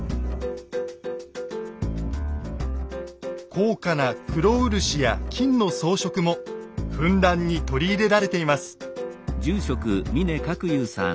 高価な黒漆や金の装飾もふんだんに取り入れられています。